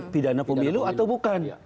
pidana pemilu atau bukan